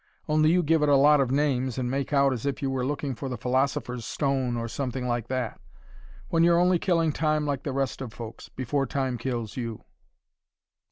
Only you give it a lot of names, and make out as if you were looking for the philosopher's stone, or something like that. When you're only killing time like the rest of folks, before time kills you."